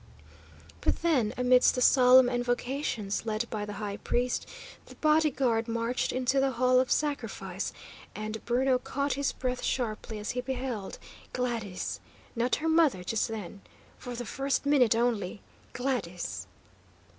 But then, amidst the solemn invocations led by the high priest, the body guard marched into the Hall of Sacrifice, and Bruno caught his breath sharply as he beheld Gladys! Not her mother, just then. For the first minute, only, Gladys!